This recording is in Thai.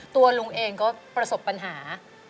ตัวลุงเองก็ประสบปัญหา